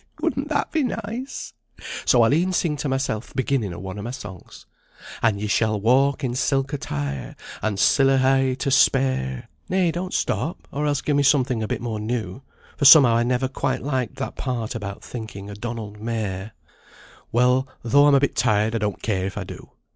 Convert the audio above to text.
Wouldn't that be nice? So I'll e'en sing to mysel' th' beginning o' one o' my songs, 'An' ye shall walk in silk attire, An' siller hae to spare.'" "Nay, don't stop; or else give me something a bit more new, for somehow I never quite liked that part about thinking o' Donald mair." "Well, though I'm a bit tir'd, I don't care if I do.